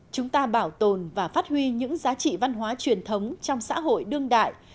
chúng ta bảo tồn và phát huy những giá trị văn hóa truyền thống trong xã hội đương đại